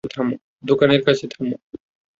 দোকানের কাছে থামো।